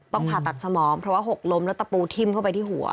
ผ่าตัดสมองเพราะว่าหกล้มแล้วตะปูทิ้มเข้าไปที่หัว